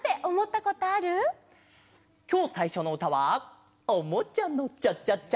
きょうさいしょのうたは「おもちゃのチャチャチャ」！